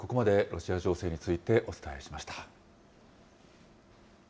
ここまでロシア情勢についてお伝えしました。